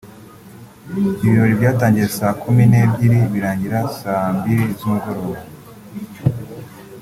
Ibirori byatangiye saa kumi n’ebyiri birangira saa mbiri z’umugoroba